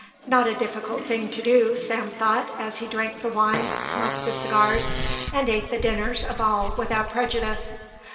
Not a difficult thing to do, Sam thought, as he drank the wine, smoked the cigars, and ate the dinners of all without prejudice.